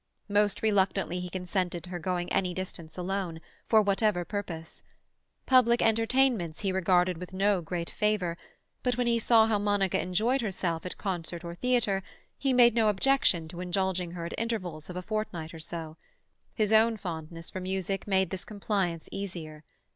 Most reluctantly he consented to her going any distance alone, for whatever purpose. Public entertainments he regarded with no great favour, but when he saw how Monica enjoyed herself at concert or theatre, he made no objection to indulging her at intervals of a fortnight or so; his own fondness for music made this compliance easier.